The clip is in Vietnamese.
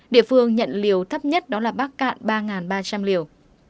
địa phương nhận liều thấp nhất đó là bắc cạn ba ba trăm linh liều